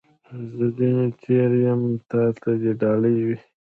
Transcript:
زه ځني تېر یم ، تا ته دي ډالۍ وي .